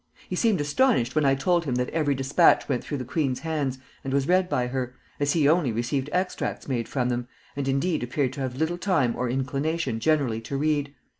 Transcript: He seemed astonished when I told him that every despatch went through the queen's hands and was read by her, as he only received extracts made from them, and indeed appeared to have little time or inclination generally to read.